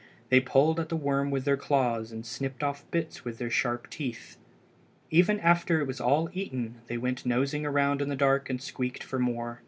They pulled at the worm with their claws, and snipped off bits with their sharp teeth. Even after it was all eaten they went nosing around in the dark and squeaked for more.